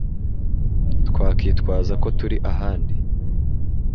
twakwitwaza ko turi ahandi